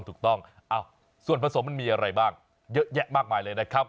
ถูกต้องส่วนผสมมันมีอะไรบ้างเยอะแยะมากมายเลยนะครับ